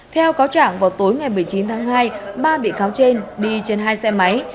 theo cáo trạng vào tối ngày một mươi chín tháng hai ba bị cáo trên đi trên hai xe máy